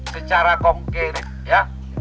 secara konkret ya